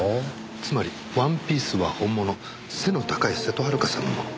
つまりワンピースは本物の背の高い瀬戸はるかさんのもの。